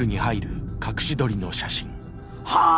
はあ！？